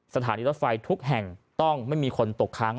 สถานีรถไฟทุกแห่งต้องไม่มีคนตกค้าง